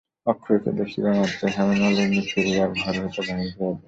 অক্ষয়কে দেখিবামাত্র হেমনলিনী ফিরিয়া ঘর হইতে বাহির হইয়া গেল।